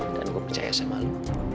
dan gue percaya sama lo